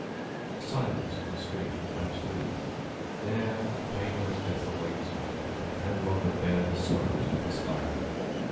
The silence in the street was absolute. "There a painless death awaits him who can no longer bear the sorrows of this life.